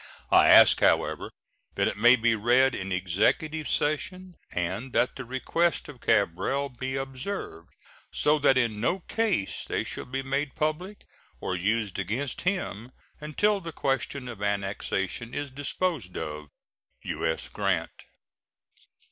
I ask, however, that it may be read in executive session and that the request of Cabral be observed, so that in no case they shall be made public or used against him until the question of annexation is disposed of. U.S. GRANT.